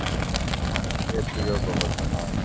কিন্তু অধিকাংশ মানুষ এটি অবগত নয়।